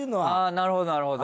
なるほどなるほど。